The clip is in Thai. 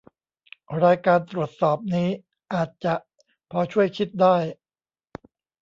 รายการตรวจสอบนี้อาจจะพอช่วยคิดได้